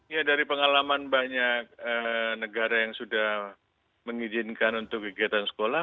ya dari pengalaman banyak negara yang sudah mengizinkan untuk kegiatan sekolah